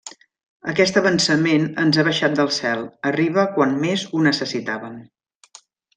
Aquest avançament ens ha baixat del cel. Arriba quan més ho necessitàvem.